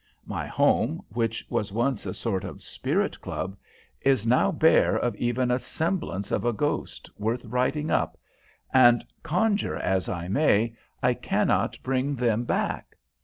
My home, which was once a sort of spirit club, is now bare of even a semblance of a ghost worth writing up, and, conjure as I may, I cannot bring them back.